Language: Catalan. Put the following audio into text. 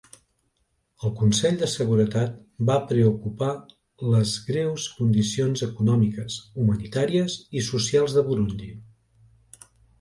El Consell de Seguretat va preocupar les greus condicions econòmiques, humanitàries i socials de Burundi.